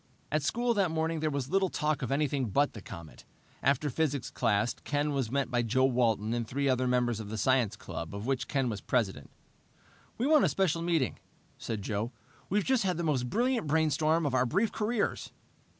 At school that morning there was little talk of anything but the comet. After physics class, Ken was met by Joe Walton and three other members of the science club, of which Ken was president. "We want a special meeting," said Joe. "We've just had the most brilliant brainstorm of our brief careers."